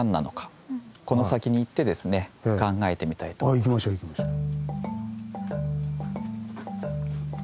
ああ行きましょう行きましょう。